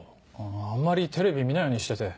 あんまりテレビ見ないようにしてて。